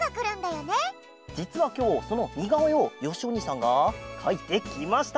じつはきょうそのにがおえをよしおにいさんがかいてきました！